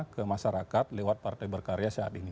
ke masyarakat lewat partai berkarya saat ini